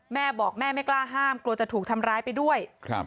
แม่บอกแม่ไม่กล้าห้ามกลัวจะถูกทำร้ายไปด้วย